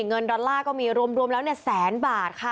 เงินดอลลาร์ก็มีรวมแล้วเนี่ยแสนบาทค่ะ